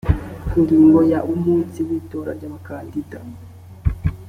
ingingo ya umunsi w itora ry abakandida